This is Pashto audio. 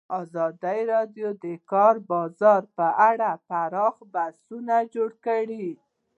ازادي راډیو د د کار بازار په اړه پراخ بحثونه جوړ کړي.